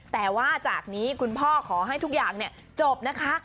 แต่ว่าจากนี้คุณพ่อขอให้ทุกอย่างจบนะคะ